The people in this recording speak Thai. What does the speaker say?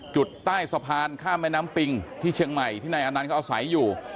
จุดใต้สะพานข้ามแม่น้ำปิงที่เชียงใหม่ที่นายอนันต์เขาอาศัยอยู่